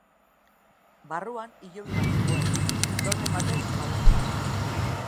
Barruan hilobi bat zegoen, dolmen batez babestuta.